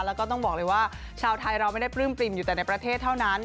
แล้วก็ต้องบอกเลยว่าชาวไทยเราไม่ได้ปลื้มปริ่มอยู่แต่ในประเทศเท่านั้น